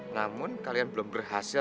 namun kalian belum berhasil